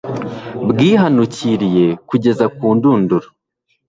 bwihanukiriye kugeza ku ndunduro